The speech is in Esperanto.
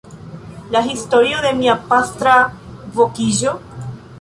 La historio de mia pastra vokiĝo?